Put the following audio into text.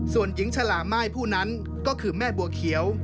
ส่วนหญิงฉลาม่ายผู้นั้นก็คือแม่บัวเขียว